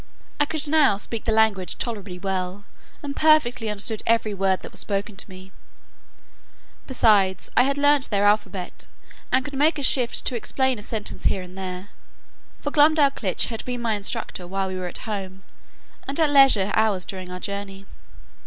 I could now speak the language tolerably well, and perfectly understood every word, that was spoken to me. Besides, I had learnt their alphabet, and could make a shift to explain a sentence here and there; for Glumdalclitch had been my instructor while we were at home, and at leisure hours during our journey.